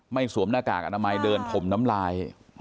สวมหน้ากากอนามัยเดินถมน้ำลาย